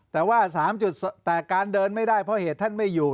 แต่ว่า๓จุดแต่การเดินไม่ได้เพราะเหตุท่านไม่อยู่